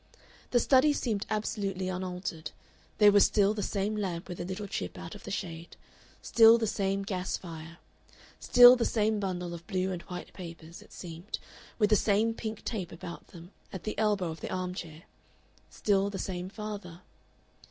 The study seemed absolutely unaltered, there was still the same lamp with a little chip out of the shade, still the same gas fire, still the same bundle of blue and white papers, it seemed, with the same pink tape about them, at the elbow of the arm chair, still the same father.